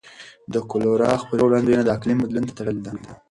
د کولرا خپرېدو وړاندوینه د اقلیم بدلون ته تړلې ده.